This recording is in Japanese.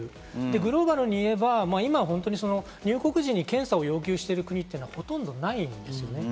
グローバルに言えば今、本当に入国時に検査を要求している国というのはほとんどないんですよね。